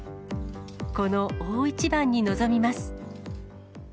この大一番に臨みます。